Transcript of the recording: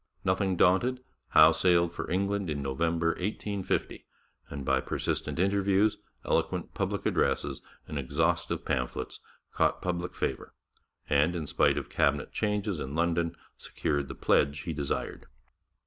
Nothing daunted, Howe sailed for England in November 1850, and by persistent interviews, eloquent public addresses and exhaustive pamphlets, caught public favour, and in spite of Cabinet changes in London secured the pledge he desired.